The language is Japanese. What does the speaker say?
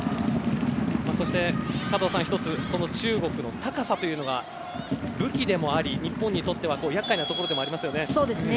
そして、加藤さん１つ、中国の高さというのが武器でもあり、日本にとっては厄介なところでもありますね。